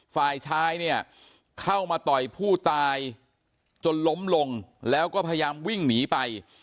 ฝ่ายชายเนี่ยเข้ามาต่อยผู้ตายจนล้มลงแล้วก็พยายามวิ่งหนีไป